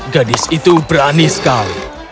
gadis itu berani sekali